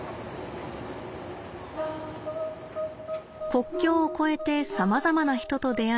国境を越えてさまざまな人と出会い